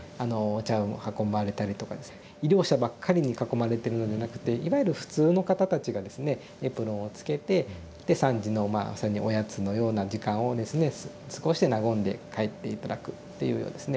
医療者ばっかりに囲まれてるのでなくていわゆる普通の方たちがですねエプロンをつけてで３時のまあおやつのような時間をですね和んで帰って頂くっていうようなですね。